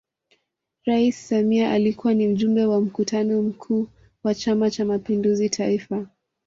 Rais Samia alikuwa ni Mjumbe wa Mkutano Mkuu wa Chama Cha Mapinduzi Taifa